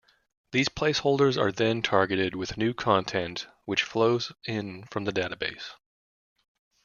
These placeholders are then targeted with new content which flows in from the database.